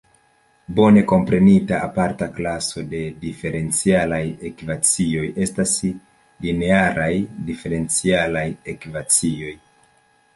Bone komprenita aparta klaso de diferencialaj ekvacioj estas linearaj diferencialaj ekvacioj.